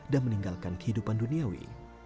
dan meninggalkan kehidupan duniawi